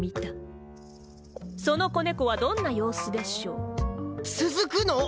その子猫はどんな様子でしょう？続くの？